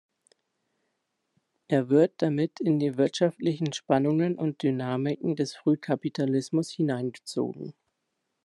Er wird damit in die wirtschaftlichen Spannungen und Dynamiken des Frühkapitalismus hineingezogen.